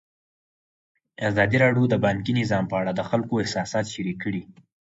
ازادي راډیو د بانکي نظام په اړه د خلکو احساسات شریک کړي.